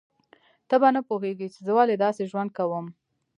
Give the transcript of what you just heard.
ته به نه پوهیږې چې زه ولې داسې ژوند کوم